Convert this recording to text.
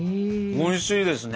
おいしいですね。